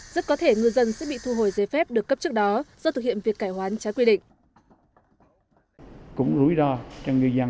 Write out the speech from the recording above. rất có thể ngư dân sẽ bị thu hồi giấy phép được cấp trước đó do thực hiện việc cải hoán trái quy định